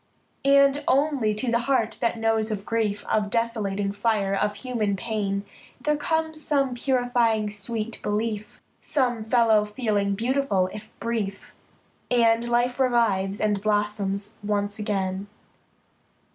And only to the heart that knows of grief, Of desolating fire, of human pain, There comes some purifying sweet belief, Some fellow feeling beautiful, if brief. And life revives, and blossoms once again.